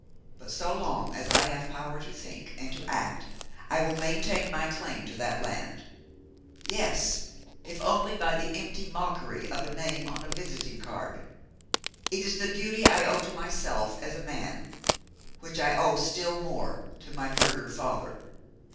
but so long as I have power to think and to act I will maintain my claim to that land; yes, if only by the empty mockery of a name on a visiting card. It is a duty I owe to myself as a man, which I owe still more to my murdered father.'